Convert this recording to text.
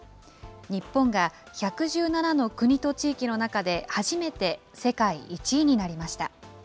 日本が１１７の国と地域の中で、初めて世界１位になりました。